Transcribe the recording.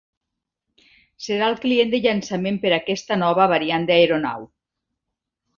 Serà el client de llançament per a aquesta nova variant d'aeronau.